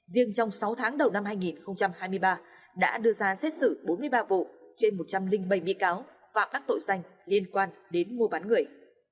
riêng trong sáu tháng đầu năm hai nghìn hai mươi ba đã đưa ra xét xử bốn mươi ba vụ trên một trăm linh bảy bị cáo phạm các tội danh liên quan đến mua bán người